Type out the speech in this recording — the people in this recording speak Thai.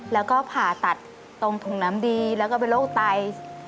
แล้วก็ผ่าตัดตรงถุงน้ำดีแล้วก็เป็นโรคไต